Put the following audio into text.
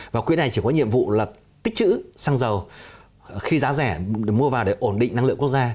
và quỹ này chỉ có nhiệm vụ là tích chữ xăng dầu khi giá rẻ để mua vào để ổn định năng lượng quốc gia